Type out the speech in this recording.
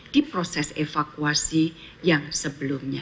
di proses evakuasi yang sebelumnya